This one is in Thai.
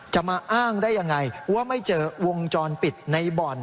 จะมาอ้างได้ยังไงว่าไม่เจอวงจรปิดในบ่อน